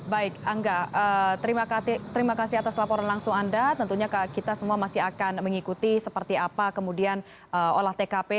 baik angga terima kasih atas laporan langsung anda tentunya kita semua masih akan mengikuti seperti apa kemudian olah tkp